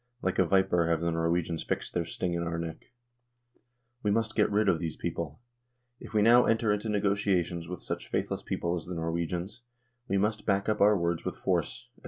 ... Like a viper have the Nor wegians fixed their sting in our neck. We must get 128 NORWAY AND THE UNION WITH SWEDEN rid of these people. ... If we now enter into negotiations with such faithless people as the Nor wegians, we must back up our words with force," &c.